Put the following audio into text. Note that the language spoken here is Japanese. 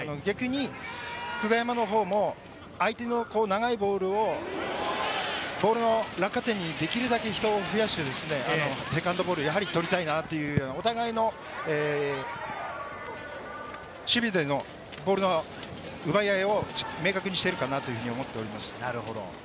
逆に久我山のほうも、相手の長いボールを、ボールの落下点にできるだけ人を増やしてセカンドボール、やはり取りたいなっていう、お互いの守備でのボールの奪い合いを明確にしているかなと思っております。